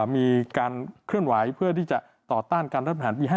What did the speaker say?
มีการเคลื่อนไหวเพื่อที่จะต่อต้านการรัฐประหารปี๕